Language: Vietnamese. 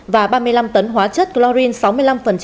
và ba mươi năm tấn hóa chất chlorine sáu mươi năm